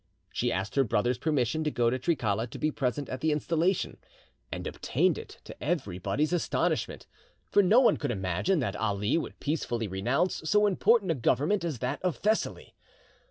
She asked her brother's permission to go to Trikala to be present at the installation, and obtained it, to everybody's astonishment; for no one could imagine that Ali would peacefully renounce so important a government as that of Thessaly.